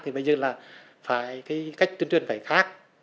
thì bây giờ là phải cái cách tuyên truyền phải khác